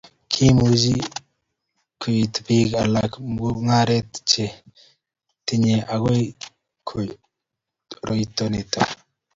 kiimuch kutou biik alak mung'arenk che tinyegei ak koroito nito